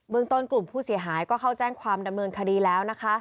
ต้นกลุ่มผู้เสียหายก็เข้าแจ้งความดำเนินคดีแล้วนะคะ